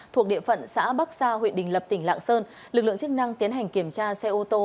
thuộc địa phận xã bắc sa huyện đình lập tỉnh lạng sơn lực lượng chức năng tiến hành kiểm tra xe ô tô